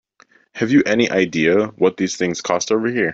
Have you any idea what these things cost over here?